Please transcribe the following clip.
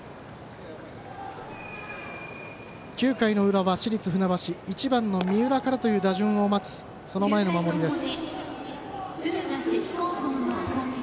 ９回の裏は、市立船橋１番の三浦からという打順を待つその前の守りです。